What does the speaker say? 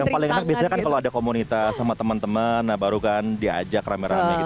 yang paling enak biasanya kan kalau ada komunitas sama teman teman nah baru kan diajak rame rame gitu